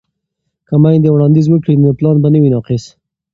که میندې وړاندیز وکړي نو پلان به نه وي ناقص.